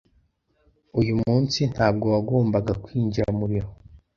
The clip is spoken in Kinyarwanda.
Uyu munsi, ntabwo wagombaga kwinjira mu biro.